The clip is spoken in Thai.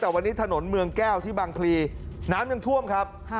แต่วันนี้ถนนเมืองแก้วที่บางพลีน้ำยังท่วมครับ